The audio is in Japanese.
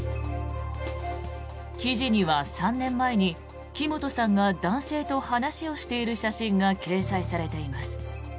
記事には３年前に木本さんが男性と話をしている写真が掲載されています。